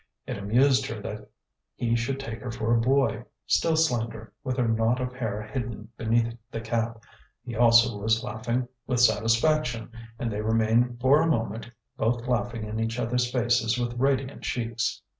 It amused her that he should take her for a boy, still slender, with her knot of hair hidden beneath the cap. He also was laughing, with satisfaction, and they remained, for a moment, both laughing in each other's faces with radiant cheeks.